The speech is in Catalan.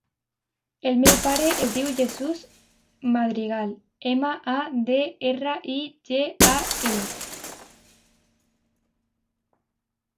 El meu pare es diu Jesús Madrigal: ema, a, de, erra, i, ge, a, ela.